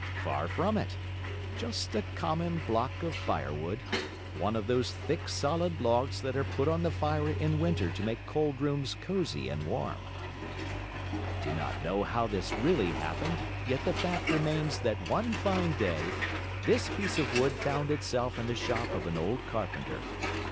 Far from it. Just a common block of firewood, one of those thick, solid logs that are put on the fire in winter to make cold rooms cozy and warm. I do not know how this really happened, yet the fact remains that one fine day this piece of wood found itself in the shop of an old carpenter.